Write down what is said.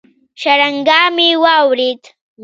شرنگا مې واورېد.